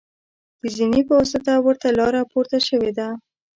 د زینې په واسطه ورته لاره پورته شوې ده.